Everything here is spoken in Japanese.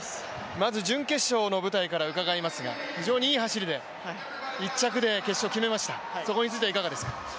まず準決勝の舞台から伺いますが、非常にいい走りで１着で決勝を決めました、そこはいかがですか？